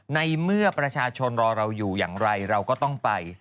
ในเมื่อประชาชนรอเราอยู่อย่างไรเราก็ต้องไป